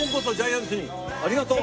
ありがとう！